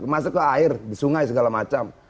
masuk ke air di sungai segala macam